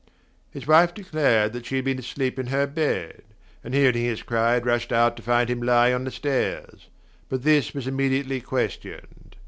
His wife declared that she had been asleep in her bed, and hearing his cry had rushed out to find him lying on the stairs; but this was immediately questioned.